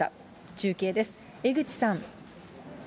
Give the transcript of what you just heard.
中継です、江口さん。